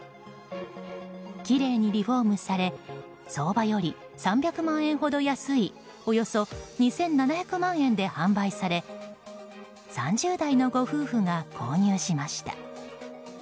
きれいにリフォームされ相場より３００万円ほど安いおよそ２７００万円で販売され３０代のご夫婦が購入しました。